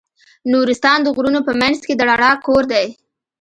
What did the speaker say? نورستان د غرونو په منځ کې د رڼا کور دی.